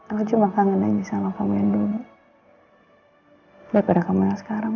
aku cuma kangen lagi sama kamu yang dulu hai berapa menang sekarang